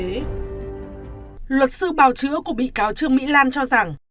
luật sư bào chữa của bị cáo trương mỹ lan cho rằng